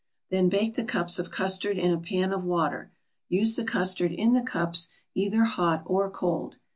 Then bake the cups of custard in a pan of water. Use the custard in the cups either hot or cold.